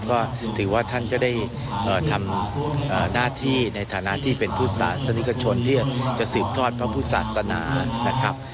ก็ถือว่าท่านก็ได้ทำหน้าที่ในฐานะที่เป็นพุทธศาสนิกชนที่จะสืบทอดพระพุทธศาสนานะครับ